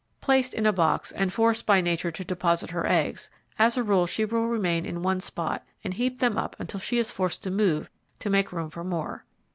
Placed in a box and forced by nature to deposit her eggs, as a rule, she will remain in one spot and heap them up until she is forced to move to make room for more.